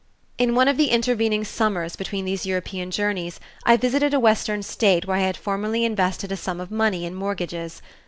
In one of the intervening summers between these European journeys I visited a western state where I had formerly invested a sum of money in mortgages.